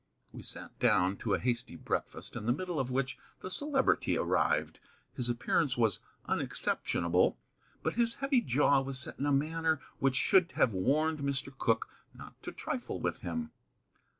We sat down to a hasty breakfast, in the middle of which the Celebrity arrived. His appearance was unexceptionable, but his heavy jaw was set in a manner which should have warned Mr. Cooke not to trifle with him.